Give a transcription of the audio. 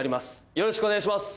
よろしくお願いします。